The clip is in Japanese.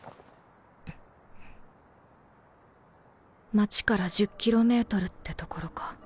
街から １０ｋｍ ってところか